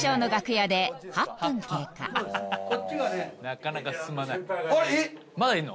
なかなか進まない。